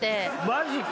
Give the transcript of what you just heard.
マジか。